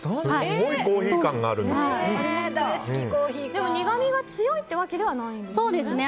でも、苦みが強いというわけではないんですね。